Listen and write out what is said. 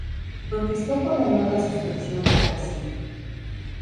Protestó por la nueva suspensión del concilio.